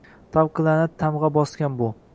Tavqi laʼnat tamgʼa bosgan bu